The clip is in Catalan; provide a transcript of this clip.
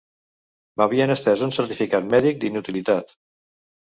M'havien estès un certificat mèdic d'inutilitat